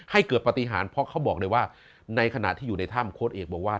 ให้เกิดปฏิหารเพราะเขาบอกเลยว่าในขณะที่อยู่ในถ้ำโค้ดเอกบอกว่า